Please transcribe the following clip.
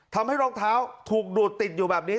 ทำให้รองเท้าถูกดูดติดอยู่แบบนี้